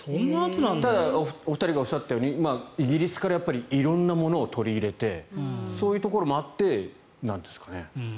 ただお二人がおっしゃったようにイギリスから色んなものを取り入れてそういうところもあってなんですかね。